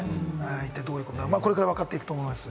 一体、どういうことなのか、これからわかっていくと思います。